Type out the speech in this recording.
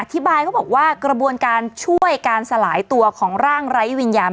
เขาบอกว่ากระบวนการช่วยการสลายตัวของร่างไร้วิญญาณ